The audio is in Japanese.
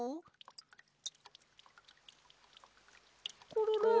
コロロ？ん？